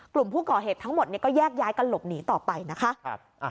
กลุ่มผู้ก่อเหตุทั้งหมดก็แยกย้ายกันหลบหนีต่อไปนะคะ